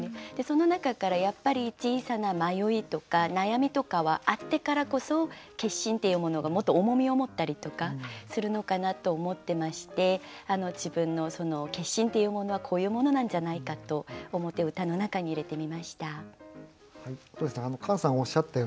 その中からやっぱり小さな迷いとか悩みとかはあったからこそ決心っていうものがもっと重みを持ったりとかするのかなと思ってまして自分の決心っていうものはこういうものなんじゃないかと思って歌の中に入れてみました。